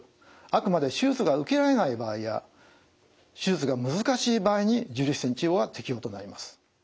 あくまで手術が受けられない場合や手術が難しい場合に重粒子線治療は適応となります。